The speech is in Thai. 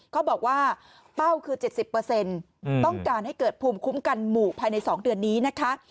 เขาบอกว่าเป้าคือ๗๐ต้องการให้เกิดภูมิคุ้มกันหมู่ภายใน๒เดือนนี้นะคะ